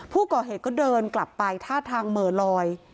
ผู้ก่อเหตุก็เดินกลับไปท่าทางเหม่อลอย